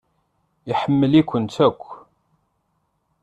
Iḥemmel-ikent akk.